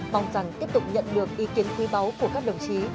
mong rằng tiếp tục nhận được ý kiến quý báu của các đồng chí